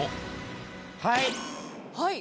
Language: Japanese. はい！